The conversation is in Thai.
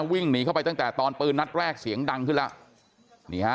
วิ่งหนีเข้าไปตั้งแต่ตอนปืนนัดแรกเสียงดังขึ้นแล้วนี่ฮะ